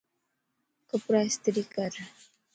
ڪپڙا استري ڪَر